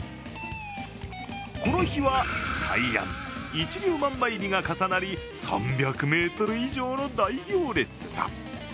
この日は大安、一粒万倍日が重なり３００ｍ以上の大行列が。